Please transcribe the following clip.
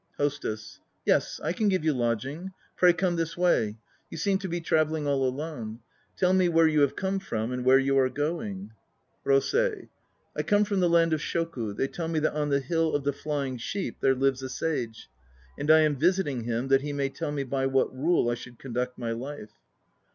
HOSTESS. Yes, I can give you lodging; pray come this way. ... You seem to be travelling all alone. Tell me where you have come from and where you are going. ROSEI. I come from the land of Shoku. They tell me that on the Hill of the Flying Sheep there lives a sage; and I am visiting him that he may tell me by what rule I should conduct my life.